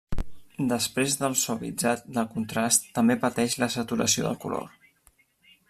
Després del suavitzat del contrast també pateix la saturació del color.